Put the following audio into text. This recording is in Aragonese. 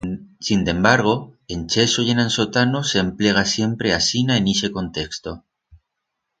Sindembargo, en cheso y en ansotano s'emplega siempre asina en ixe contexto.